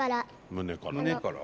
胸から？